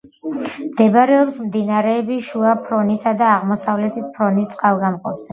მდებარეობს მდინარეების შუა ფრონისა და აღმოსავლეთის ფრონის წყალგამყოფზე.